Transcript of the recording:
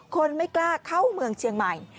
คนไม่กล้าเข้าเมืองเชียงใหม่